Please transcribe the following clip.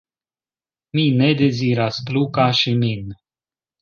Mi ne deziras plu kaŝi min.